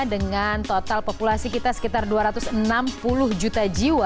dengan total populasi kita sekitar dua ratus enam puluh juta jiwa